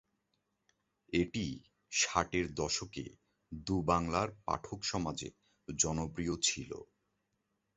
এটি ষাটের দশকে দু-বাংলার পাঠক সমাজে জনপ্রিয় ছিল।